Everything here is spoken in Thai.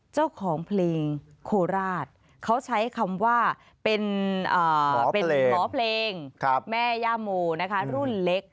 เจ้าของเพลงโคราชเขาใช้คำว่าเป็นหมอเพลงแม่ย่าโมนะคะรุ่นเล็ก